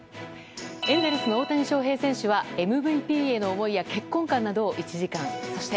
エンゼルスの大谷翔平選手はＭＶＰへの思いや結婚観などを１時間。